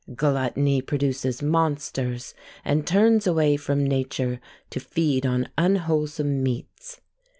Gluttony produces monsters, and turns away from nature to feed on unwholesome meats.